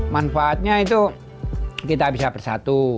manfaatnya itu kita bisa bersatu